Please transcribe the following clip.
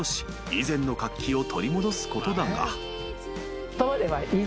以前の活気を取り戻すことだが］